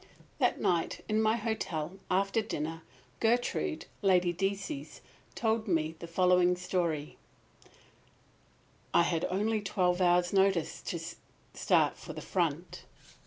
That night in my hotel, after dinner, Gertrude, Lady Decies, told me the following story: "I had only twelve hours' notice to start for the front.